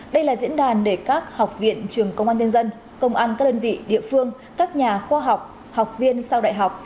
đây là diễn đàn để các học viện trường công an nhân dân công an các đơn vị địa phương các nhà khoa học học viên sau đại học